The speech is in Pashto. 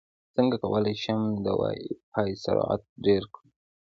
څنګه کولی شم د وائی فای سرعت ډېر کړم